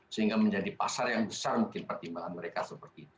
sehingga menjadi pasar yang besar mungkin pertimbangan mereka seperti itu